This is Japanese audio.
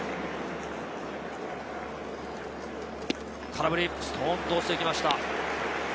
空振り、ストンと落ちてきました。